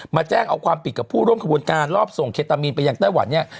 แจ้งเอาความผิดกับผู้ร่วมขบวนการรอบส่งเคตามีนไปยังไต้หวันเนี่ย